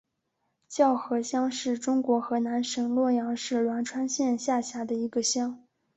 叫河乡是中国河南省洛阳市栾川县下辖的一个乡。